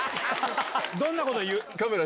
どんなこと言う？